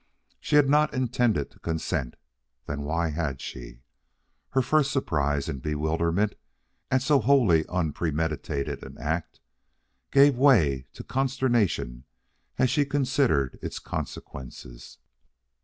She had not intended to consent. Then why had she? Her first surprise and bewilderment at so wholly unpremeditated an act gave way to consternation as she considered its consequences.